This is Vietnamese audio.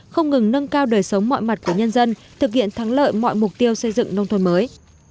không ngừng nâng cao đời sống mọi mặt của nhân dân thực hiện thắng lợi mọi mục tiêu xây dựng nông thôn mới